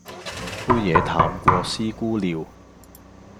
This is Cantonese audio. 杯野淡過師姑尿